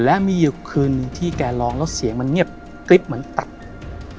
และมีอยู่คืนหนึ่งที่แกร้องแล้วเสียงมันเงียบกริ๊บเหมือนตับ